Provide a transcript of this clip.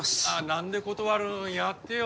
何で断るんやってよ